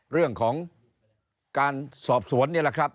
เรื่องของการสอบสวนนี่แหละครับ